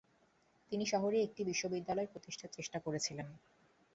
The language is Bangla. তিনি শহরে একটি বিশ্ববিদ্যালয় প্রতিষ্ঠার চেষ্টা করেছিলেন।